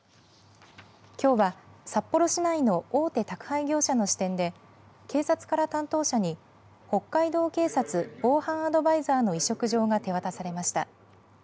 きょうは、札幌市内の大手宅配業者の支店で警察から担当者に北海道警察防犯アドバイザーの委嘱状が手渡されました。